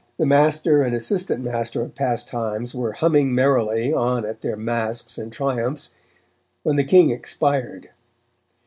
The master and assistant master of Pastimes were humming merrily on at their masques and triumphs, when, the King expired.